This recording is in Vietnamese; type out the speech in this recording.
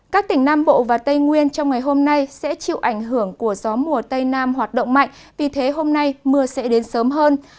các tỉnh nam bộ và tây nguyên trong ngày hôm nay sẽ chịu ảnh hưởng của gió mùa tây nam hoạt động mạnh vì thế hôm nay mưa sẽ đến sớm hơn